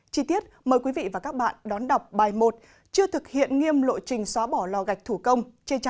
chi tiết mời quý vị và các bạn đón đọc bài một chưa thực hiện nghiêm lộ trình xóa bỏ lò gạch thủ công